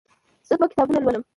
زه دوه کتابونه لولم.